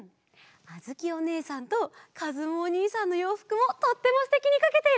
あづきおねえさんとかずむおにいさんのようふくもとってもすてきにかけているね！